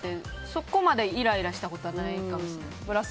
そこまでイライラしたことはないかもしれないです。